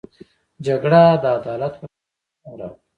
جګړه د عدالت پر ځای ظلم راولي